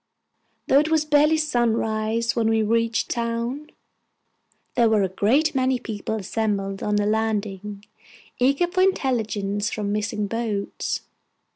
Though it was barely sunrise when we reached town, there were a great many people assembled at the landing eager for intelligence from missing boats.